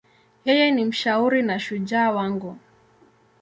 Yeye ni mshauri na shujaa wangu.